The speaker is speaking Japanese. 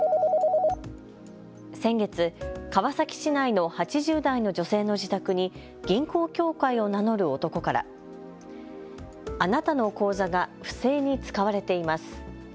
先月、川崎市内の８０代の女性の自宅に銀行協会を名乗る男からあなたの口座が不正に使われています。